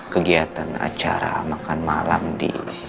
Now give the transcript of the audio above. kegiatan acara makan malam di